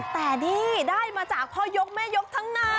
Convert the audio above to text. แต่นี่ได้มาจากพ่อยกแม่ยกทั้งนั้น